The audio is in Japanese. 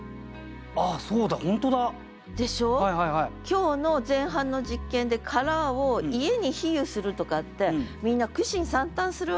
今日の前半の実験で「殻」を「家」に比喩するとかってみんな苦心惨憺するわけよ。